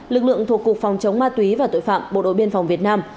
lực lượng thuộc cục phòng chống ma túy và tội phạm bộ đội biên phòng việt nam